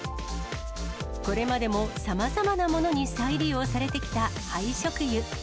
これまでも、さまざまなものに再利用されてきた廃食油。